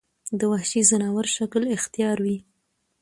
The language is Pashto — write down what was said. د وحشي ځناور شکل اختيار وي